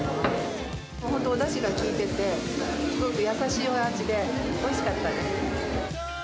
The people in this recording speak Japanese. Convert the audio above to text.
本当、おだしが効いてて、すごく優しいお味で、おいしかったです。